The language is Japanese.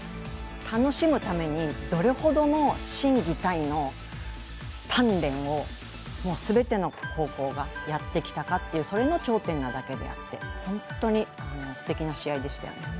楽しむためにどれほどの心技体の鍛練をどれほどの高校がやってきたのかという、それの頂点だけであって、本当にすてきな試合でしたね。